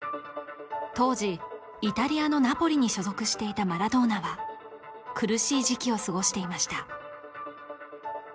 当時イタリアのナポリに所属していたマラドーナは苦しい時期をすごしていました